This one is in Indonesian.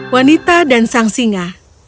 wanita dan sang singa